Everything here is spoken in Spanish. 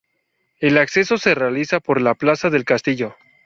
El acceso se realiza por la plaza del Castillo.